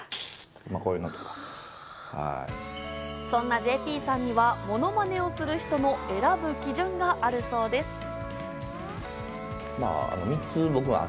そんなＪＰさんには、ものまねをする人の選ぶ基準があるそうです。